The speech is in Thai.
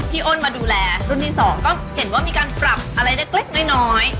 อ้นมาดูแลรุ่นที่๒ก็เห็นว่ามีการปรับอะไรเล็กน้อย